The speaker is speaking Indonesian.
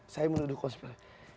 saya menuduh konspiratif